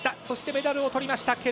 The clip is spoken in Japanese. そしてメダルをとりました